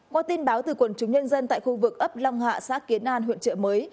qua tin báo từ quần chúng nhân dân tại khu vực ấp long hạ xã kiến an huyện trợ mới